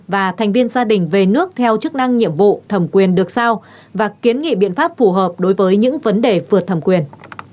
và thành viên gia đình về nước theo chức năng nhiệm vụ thẩm quyền được sao và kiến nghị biện pháp phù hợp đối với những vấn đề vượt thẩm quyền